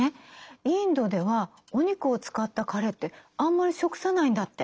インドではお肉を使ったカレーってあんまり食さないんだって。